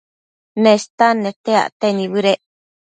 Nestan nete acte nibëdec